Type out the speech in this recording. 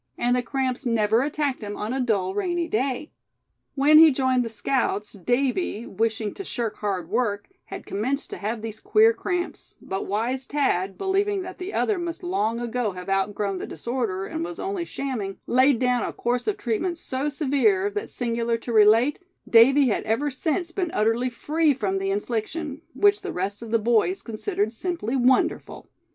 And the cramps never attacked him on a dull, rainy day. When he joined the scouts Davy, wishing to shirk hard work, had commenced to have these queer cramps; but wise Thad, believing that the other must long ago have outgrown the disorder, and was only shamming, laid down a course of treatment so severe that, singular to relate, Davy had ever since been utterly free from the infliction; which the rest of the boys considered simply wonderful.